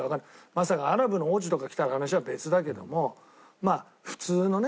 まさかアラブの王子とかが来たら話は別だけども普通のね